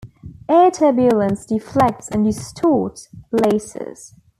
Air turbulence deflects and distorts lasers.